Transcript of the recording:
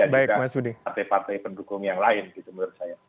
dan juga partai partai pendukung yang lain gitu menurut saya